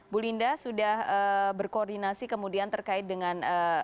bu linda sudah berkoordinasi kemudian terkait dengan